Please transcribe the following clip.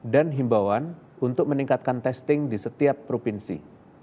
dan himbawan untuk meningkatkan testing di setiap provinsi